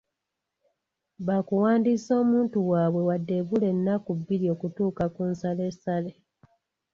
Bakuwandiisa omuntu waabwe wadde ebula ennaku bbiri okutuuka ku nsalessale,